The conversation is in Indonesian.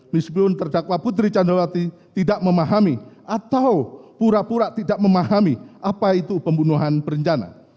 meskipun terdakwa putri candrawati tidak memahami atau pura pura tidak memahami apa itu pembunuhan berencana